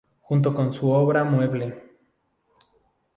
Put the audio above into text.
Junto con su obra mueble.